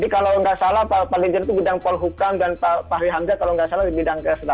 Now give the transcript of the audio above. kalau tidak salah pak lidjar itu bidang polhukam dan pak fahri hamzah kalau tidak salah bidang ksat